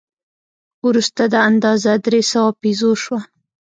وروسته دا اندازه درې سوه پیزو شوه.